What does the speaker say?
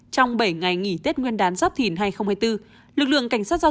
trong bảy ngày nghỉ tết nguyên đán giáp thìn hai nghìn hai mươi bốn